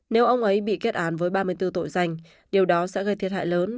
nếu ông ấy bị kết án với ba mươi bốn tội danh điều đó sẽ gây thiệt hại lớn